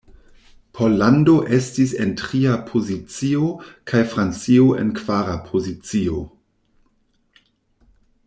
Pollando estis en tria pozicio, kaj Francio en kvara pozicio.